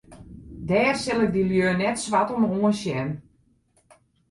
Dêr sil ik de lju net swart om oansjen.